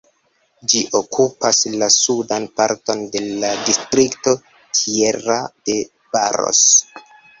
Ĝi okupas la sudan parton de la distrikto Tierra de Barros.